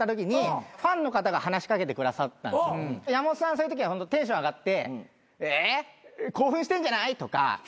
そういうときはテンション上がって「え興奮してんじゃない？」とか。